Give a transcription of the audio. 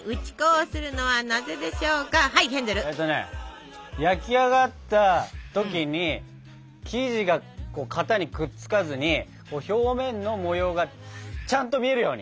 えとね焼き上がった時に生地が型にくっつかずに表面の模様がちゃんと見えるように！